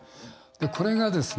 これがですね